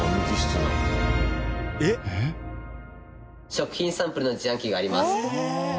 食品サンプルの自販機があります。